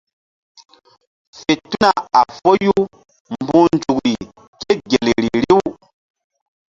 Fe tuna a foyu mbu̧h nzukri ke gel ri riw.